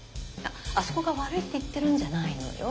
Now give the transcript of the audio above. あそこが悪いって言ってるんじゃないのよ。